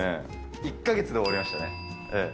１か月で終わりましたね。